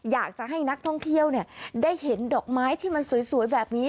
อยากจะให้นักท่องเที่ยวได้เห็นดอกไม้ที่มันสวยแบบนี้